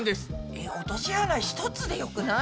落とし穴１つでよくない？